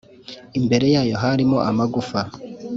imbere yayo harimo amagufa.